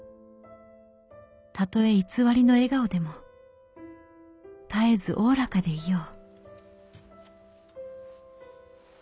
たとえ偽りの笑顔でも絶えずおおらかでいよう」。